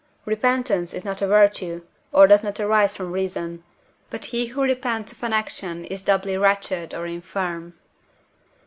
Repentance is not a virtue, or does not arise from reason; but he who repents of an action is doubly wretched or infirm.